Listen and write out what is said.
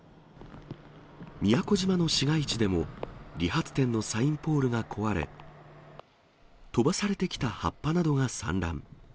宮古島の市街地でも、理髪店のサインポールが壊れ、飛ばされてきた葉っぱなどが散乱。